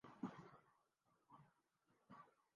وہ پڑی ہیں روز قیامتیں کہ خیال روز جزا گیا